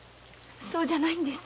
そうじゃないんです。